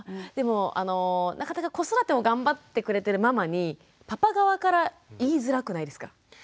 でもなかなか子育てを頑張ってくれてるママにパパ側から言いづらくないですか？